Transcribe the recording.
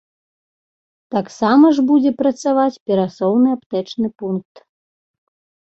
Тамсама ж будзе працаваць перасоўны аптэчны пункт.